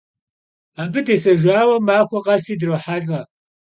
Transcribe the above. Abı dêsejjaue maxue khesi drohelh'e.